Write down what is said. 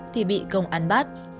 thì bị công án bắt